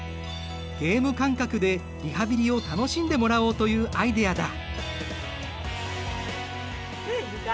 ゲーム感覚でリハビリを楽しんでもらおうというアイデアだ。